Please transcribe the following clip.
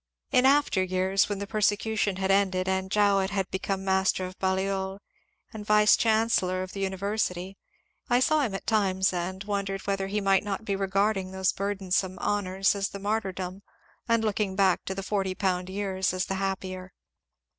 In after years when the persecution had ended, and Jowett had become master of Balliol and vice chancellor of the uni versity, I saw him at times and wondered whether he might not be regarding those burdensome honours as the martyrdom and looking back to the forty pound years as the happier.